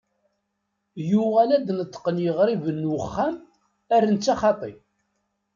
Yuɣal ad d-neṭqen yiɣraben n uxxam ar netta xaṭi.